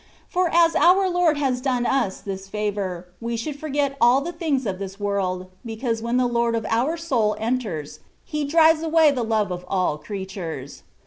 For as our Lord has done us this favour, we should forget all the things of this world, because when the Lord of our soul enters. He drives away the love of all creatures.